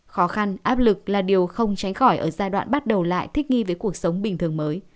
khó khăn áp lực là điều không tránh khỏi ở giai đoạn bắt đầu lại thích nghi với cuộc sống bình thường mới